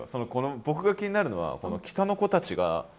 僕が気になるのはこの「北の子」たちが。